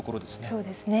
そうですね。